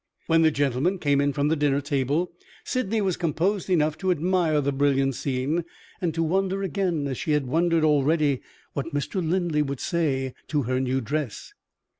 When the gentlemen came in from the dinner table, Sydney was composed enough to admire the brilliant scene, and to wonder again, as she had wondered already, what Mr. Linley would say to her new dress.